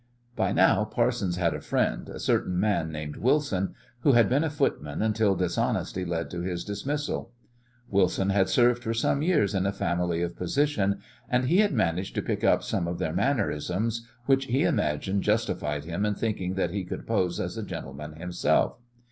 By now Parsons had a friend, a certain man named Wilson, who had been a footman until dishonesty led to his dismissal. Wilson had served for some years in a family of position, and he had managed to pick up some of their mannerisms, which he imagined justified him in thinking that he could pose as a gentleman himself.